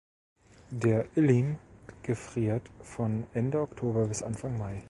Der Ilim gefriert von Ende Oktober bis Anfang Mai.